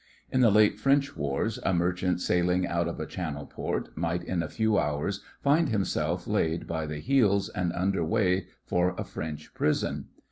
In the late French wars, a merchant sailing out of a Channel port might in a few hours find himself laid by the heels and under way for a French prison.